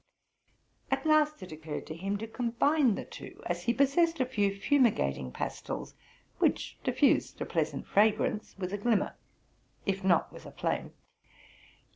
At last it occurred to him to combine the two, as he possessed a few fumigating pastils, which diffused a pleasant fragrance with a glimmer, if not with a flame.